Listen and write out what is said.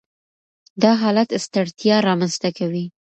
دا حالت ستړیا رامنځ ته کوي.